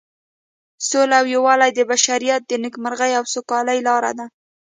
سوله او یووالی د بشریت د نیکمرغۍ او سوکالۍ لاره ده.